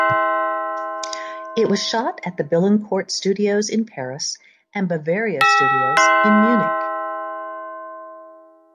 It was shot at the Billancourt Studios in Paris and Bavaria Studios in Munich.